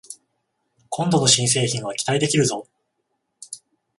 今度の新製品は期待できるぞ